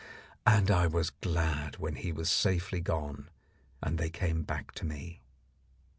And I was glad when he was safely gone and they came back to me.